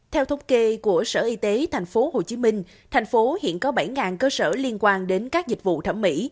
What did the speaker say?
theo thống kê của sở y tế tp hcm thành phố hiện có bảy cơ sở liên quan đến các dịch vụ thẩm mỹ